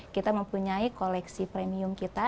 kita mempunyai koleksi premium kita